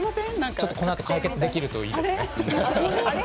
このあと解決できるといいですね。